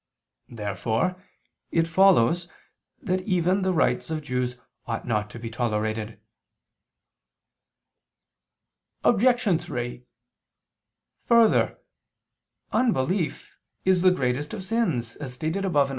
Therefore it follows that even the rites of Jews ought not to be tolerated. Obj. 3: Further, unbelief is the greatest of sins, as stated above (A. 3).